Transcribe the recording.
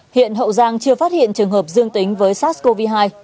hiện hậu giang chưa phát hiện trường hợp dương tính với sars cov hai